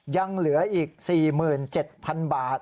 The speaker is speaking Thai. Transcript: ยังเหลืออีก๔๗๐๐๐บาท